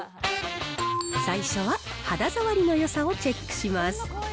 最初は肌触りのよさをチェックします。